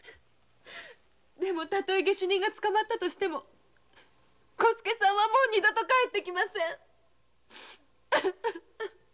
でも例え下手人が捕まっても小助さんはもう二度と帰ってきません。